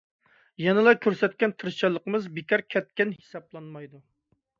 يەنىلا كۆرسەتكەن تىرىشچانلىقىمىز بىكار كەتكەن ھېسابلانمايدۇ.